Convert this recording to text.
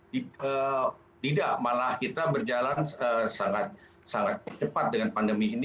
tidak malah kita berjalan sangat cepat dengan pandemi ini